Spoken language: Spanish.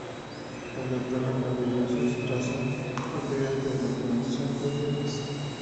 El Dr. Rafael Belloso Chacín fue integrante de la promoción de los Dres.